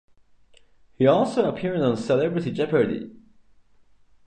He also appeared on Celebrity Jeopardy!